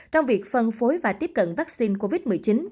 trong việc phân phối và tiếp cận vaccine covid một mươi chín